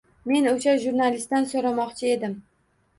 Men o'sha jurnalistdan so'ramoqchi edim